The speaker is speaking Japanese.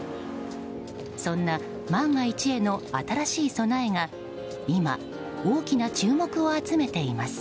そんな万が一への新しい備えが今、大きな注目を集めています。